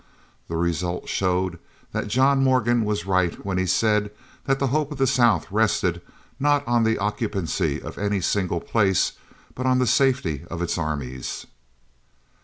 The result showed that John Morgan was right when he said that the hope of the South rested, not on the occupancy of any single place, but on the safety of its armies.